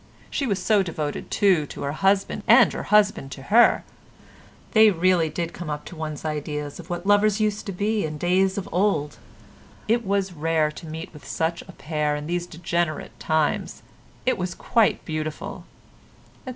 She was so devoted too to her husband and her husband to her; they really did come up to one's ideas of what lovers used to be in days of old; it was rare to meet with such a pair in these degenerate times; it was quite beautiful, etc.